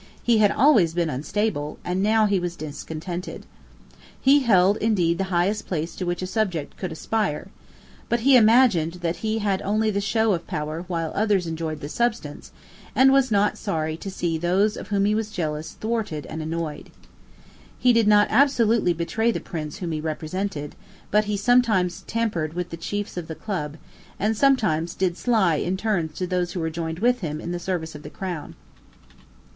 He had always been unstable; and he was now discontented. He held indeed the highest place to which a subject could aspire. But he imagined that he had only the show of power while others enjoyed the substance, and was not sorry to see those of whom he was jealous thwarted and annoyed. He did not absolutely betray the prince whom he represented: but he sometimes tampered with the chiefs of the Club, and sometimes did sly in turns to those who were joined with him in the service of the Crown.